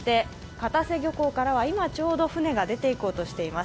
片瀬漁港からは今、ちょうど船が出ていこうとしています。